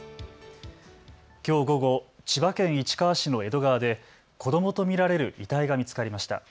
きょう午後、千葉県市川市の江戸川で子どもと見られる遺体が見つかりました。